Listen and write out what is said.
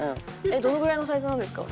どのぐらいのサイズなんですか？